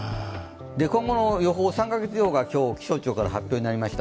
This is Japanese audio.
今後の予報、３か月予報が今日気象庁から発表になりました。